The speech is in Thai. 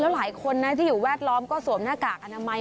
หลายคนนะที่อยู่แวดล้อมก็สวมหน้ากากอนามัย